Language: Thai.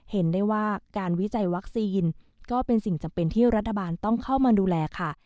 เห็นได้ว่าการวิจัยวัคซีนก็เป็นสิ่งจำเป็นที่รัฐบาลต้องเข้ามาดูแลค่ะ